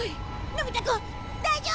のび太くん大丈夫？